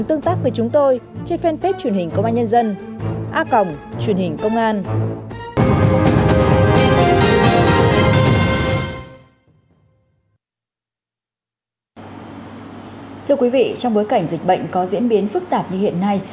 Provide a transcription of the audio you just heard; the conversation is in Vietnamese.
thưa quý vị trong bối cảnh dịch bệnh có diễn biến phức tạp như hiện nay